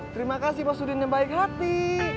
terima kasih bos udin yang baik hati